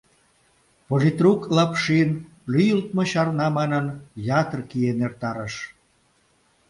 Политрук Лапшин, лӱйылтмӧ чарна манын, ятыр киен эртарыш.